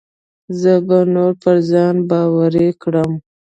زه به نور پر ځان باوري کړم.